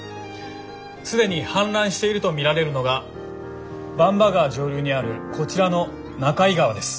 既に氾濫していると見られるのが番場川上流にあるこちらの中居川です。